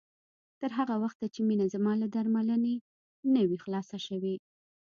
تر هغه وخته چې مينه زما له درملنې نه وي خلاصه شوې